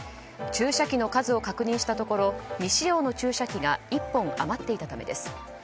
注射器の数を確認したところ未使用の注射器が１本余っていたためです。